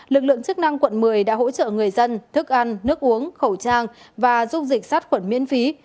lực lượng chức năng quận một mươi đã hỗ trợ người dân thức ăn nước uống khẩu trang và dung dịch sát khuẩn miễn phí